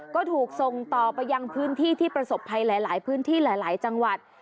ก็ถูกส่งต่อไปยังพื้นที่ที่ประสบภัยหลายพื้นที่หลายจังหวัด